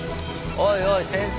おいおい先生。